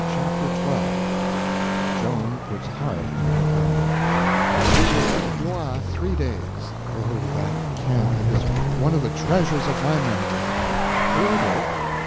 Chapter 12 Joan Puts Heart in Her Army WE WERE at Blois three days. Oh, that camp, it is one of the treasures of my memory! Order?